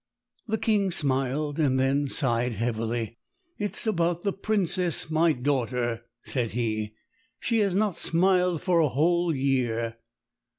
The King smiled and then sighed heavily. "It's about the Princess, my daughter," said he; "she has not smiled for a whole year."